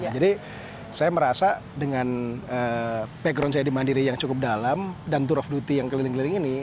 jadi saya merasa dengan background saya di mandiri yang cukup dalam dan tour of duty yang keliling keliling ini